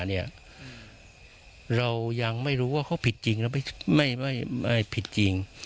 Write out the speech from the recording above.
เรายังไม่รู้ว่าเขาผิดจริงหรือไม่ผิดจริง